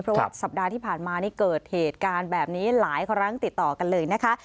เพราะว่าสัปดาห์ที่ผ่านมานี่เกิดเหตุการณ์แบบนี้หลายครั้งติดต่อกันเลยนะคะ